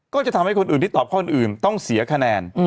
ก็จะทำให้คนอื่นที่ตอบข้ออื่นต้องเสียคะแนน